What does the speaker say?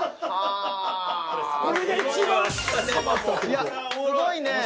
いやすごいね！